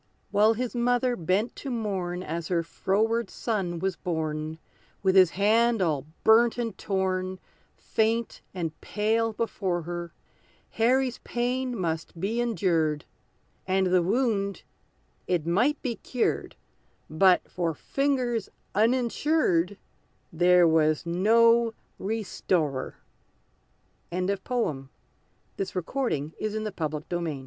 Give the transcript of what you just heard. While his mother bent to mourn As her froward son was borne, With his hand all burnt and torn, Faint and pale, before her, Harry's pain must be endured, And the wound it might be cured; But, for fingers uninsured, There was no restorer! =The Pebble and the Acorn= "I am a Pebble! I yield to none!"